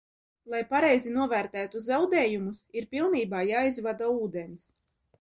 Lai pareizi novērtētu zaudējumus, ir pilnībā jāaizvada ūdens.